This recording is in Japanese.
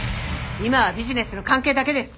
今はビジネスの関係だけです。